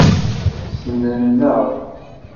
Ssnen-aɣ.